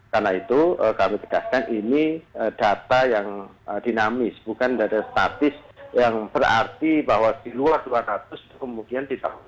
karena itu kami tegaskan ini data yang dinamis bukan data statis yang berarti bahwa di luar dua ratus kemudian ditambah